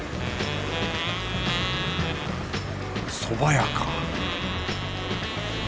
そば屋か